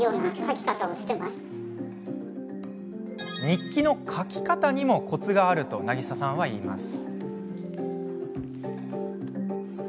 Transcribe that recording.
日記の書き方にもコツがあるとなぎささんはいいます。